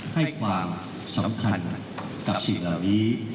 ให้ความสำคัญกับสิ่งเหล่านี้